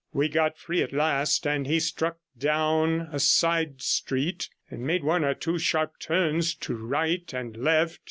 We got free at last, and he struck down a side street, and made one or two sharp turns to right and left.